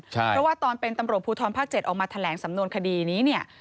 เพราะว่าตอนเป็นตำรวจภูทรภาค๗ออกมาแถลงสำนวนคดีนี้เนี่ย